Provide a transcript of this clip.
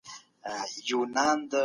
په دغه مبارک دين کي د پوهانو ډېر مقام دی.